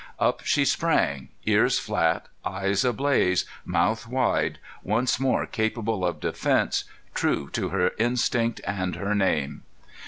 Up she sprang, ears flat, eyes ablaze, mouth wide, once more capable of defense, true to her instinct and her name.